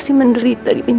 mama benar benar bingung